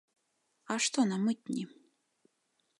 А што на мытні?